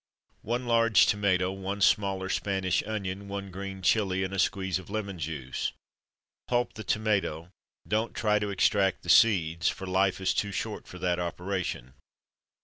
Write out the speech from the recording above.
One large tomato, one smaller Spanish onion, one green chili, and a squeeze of lemon juice. Pulp the tomato; don't try to extract the seeds, for life is too short for that operation.